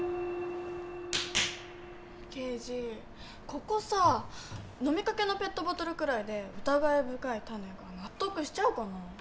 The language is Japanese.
ここさぁ飲みかけのペットボトルくらいで疑い深いタネが納得しちゃうかな？